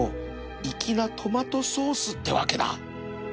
粋なトマトソースってわけだ